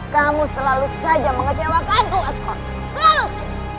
kamu selalu saja mengecewakanku asgore selalu saja